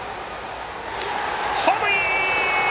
ホームイン！